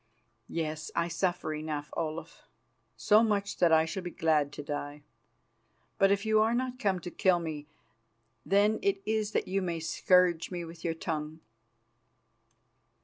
"Yes, I suffer enough, Olaf. So much that I shall be glad to die. But if you are not come to kill me, then it is that you may scourge me with your tongue."